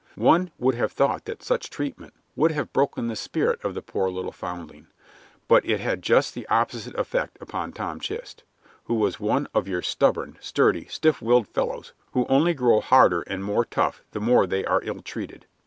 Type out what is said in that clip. One would have thought that such treatment would have broken the spirit of the poor little foundling, but it had just the opposite effect upon Tom Chist, who was one of your stubborn, sturdy, stiff willed fellows who only grow harder and more tough the more they are ill treated.